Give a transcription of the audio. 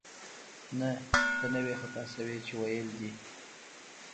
نه، ته نه وې خطا شوې چې ویل دې